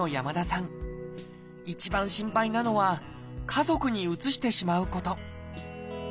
一番心配なのは家族にうつしてしまうこと。